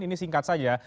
ini singkat saja